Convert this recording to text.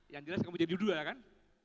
yang jelas kamu jadi dua kan